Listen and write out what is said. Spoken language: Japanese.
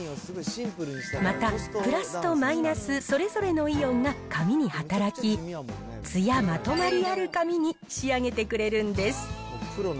また、プラスとマイナス、それぞれのイオンが髪に働き、ツヤ、まとまりある髪に仕上げてくれるんです。